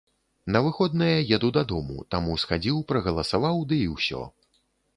На выходныя еду дадому, таму схадзіў прагаласаваў, ды і ўсё.